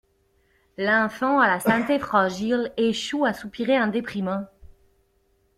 L'enfant à la santé fragile échoue à soupirer en déprimant.